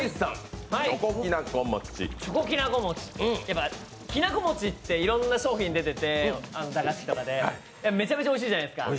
やっぱ、きなこもちっていろんな商品出てて、駄菓子とかでめちゃめちゃおいしいじゃないですか。